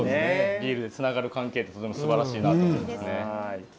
ビールでつながる関係すばらしいと思います。